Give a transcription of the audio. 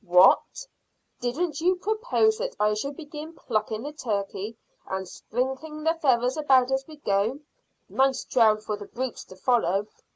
"What! Didn't you propose that I should begin plucking the turkey and sprinkling the feathers about as we go? Nice trail for the brutes to follow.